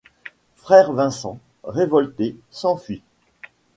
Frère Vincent, révolté, s'enfuit.